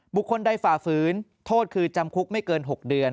บุคคลใดฝ่าฝืนโทษคือจำคุกไม่เกิน๖เดือน